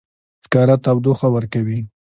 سکاره تودوخه ورکوي